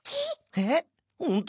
えっほんと！？